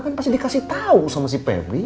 kan pasti dikasih tahu sama si pevi